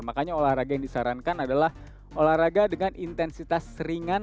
makanya olahraga yang disarankan adalah olahraga dengan intensitas ringan